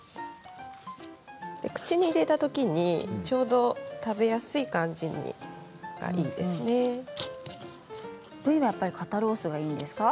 口に入れたときにちょうど食べやすい感じがいいですね。